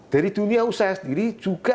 dari dunia usaha sendiri juga